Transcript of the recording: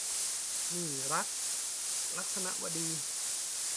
หนี้รัก - ลักษณวดี